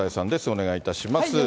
お願いいたします。